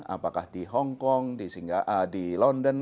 apakah di hongkong di singa di london